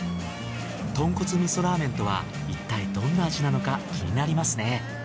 豚骨味噌ラーメンとはいったいどんな味なのか気になりますね。